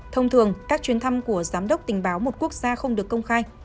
thông thường các chuyến thăm của giám đốc tình báo một quốc gia không được công khai